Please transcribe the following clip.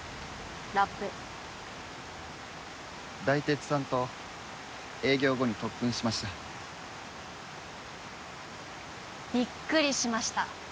ラップ大鉄さんと営業後に特訓しましたびっくりしました